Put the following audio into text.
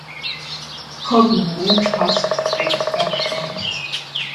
Collingwood has two side platforms.